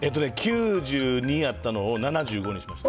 ９２あったのを７５にしました。